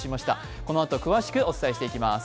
このあと詳しくお伝えしてまいります。